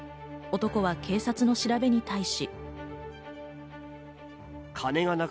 男は警察の調べに対し。